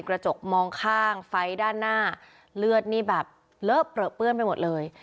กระจกมองข้างไฟด้านหน้าเลือดนี่แบบเลอะเปลือเปื้อนไปหมดเลย